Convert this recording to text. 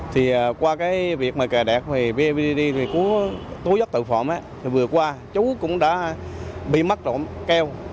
thì qua cái việc mà kẻ đẹp về bapd thì có tố giác tội phạm vừa qua chú cũng đã bị mắc rộng keo